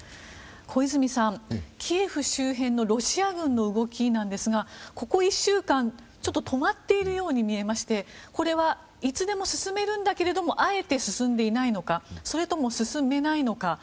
小泉さん、キエフ周辺のロシア軍の動きですがここ１週間、ちょっと止まっているように見えましてこれはいつでも進めるんだけどもあえて進んでいないのかそれとも、進めないのか。